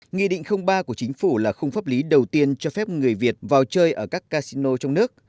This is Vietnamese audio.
nghị định ba của chính phủ là không pháp lý đầu tiên cho phép người việt vào chơi ở các casino trong nước